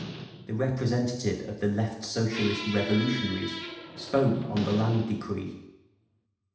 The representative of the Left Socialist Revolutionaries spoke on the Land Decree.